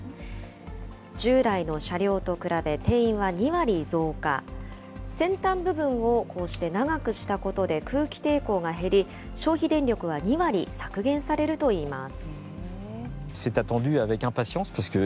従来の車両と比べ、定員は２割増加、先端部分をこうして長くしたことで、空気抵抗が減り、消費電力は２割削減されるといいます。